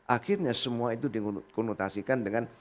akhirnya semua itu dikonotasikan dengan